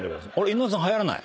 稲田さんはやらない？